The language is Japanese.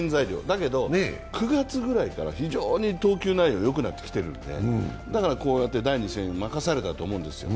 だけど、９月ぐらいから非常に投球内容よくなってきてるんでだからこうやって第２戦任されたと思うんですよ。